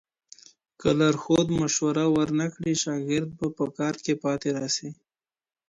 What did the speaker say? که لارښود مشوره ورنکړي شاګرد به په کار کي پاته راسي.